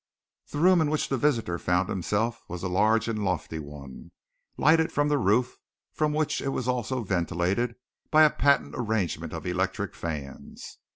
The room in which the visitor found himself was a large and lofty one, lighted from the roof, from which it was also ventilated by a patent arrangement of electric fans.